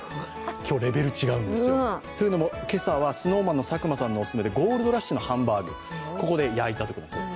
今日、レベル違うんですよ。というのも今朝はＳｎｏｗＭａｎの佐久間さんのお勧めでゴールドラッシュのハンバーグここで焼いたということです。